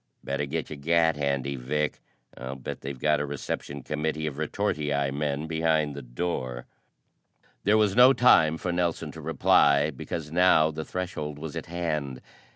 "Better get your gat handy, Vic. I'll bet they've got a reception committee of retortii men behind the door." There was no time for Nelson to reply because now the threshold was at hand.